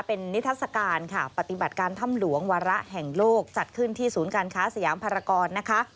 เป็นนิทัศกาลค่ะปฏิบัติการถ้ำหลวงวาระแห่งโลกจัดขึ้นที่ศูนย์การค้าสยามภารกรนะคะ